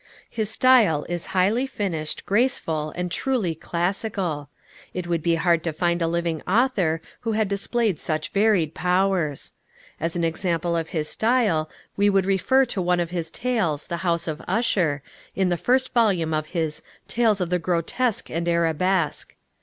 His style is highly finished, graceful and truly classical. It would be hard to find a living author who had displayed such varied powers. As an example of his style we would refer to one of his tales, "The House of Usher," in the first volume of his "Tales of the Grotesque and Arabesque."